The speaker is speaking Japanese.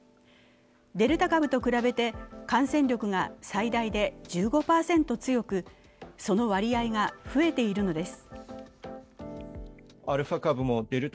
デルタ株と比べて感染力が最大で１５％強く、その割合が増えているのです。